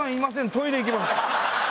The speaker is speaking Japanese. トイレ行きました」。